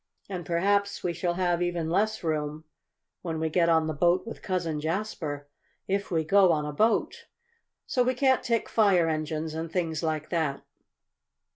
And perhaps we shall have even less room when we get on the boat with Cousin Jasper if we go on a boat. So we can't take fire engines and things like that."